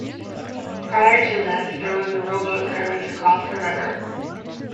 Prior to this there was a rowboat service across the river.